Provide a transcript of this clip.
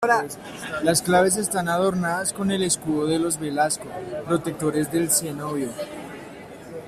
Las claves están adornadas con el escudo de los Velasco, protectores del cenobio.